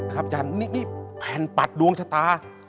ครับจันนี่แผ่นปัดดวงชะตา